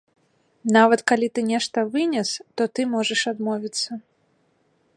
Нават калі ты нешта вынес, то ты можаш адмовіцца.